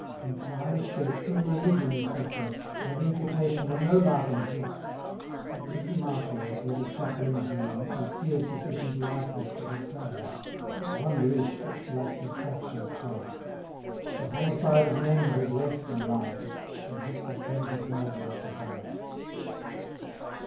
In climes where true religion is profess'd, That imputation were no laughing jest. But imprimatur, with a chaplain's name, Is here sufficient licence to defame. What wonder is't that black detraction thrives? The homicide of names is less than lives; And yet the perjured murderer survives.